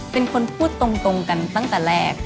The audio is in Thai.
เป็นคนพูดตรงกันตั้งแต่แรก